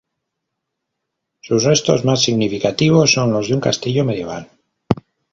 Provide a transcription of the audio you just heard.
Sus restos más significativos son los de un castillo medieval.